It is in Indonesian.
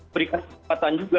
berikan kesempatan juga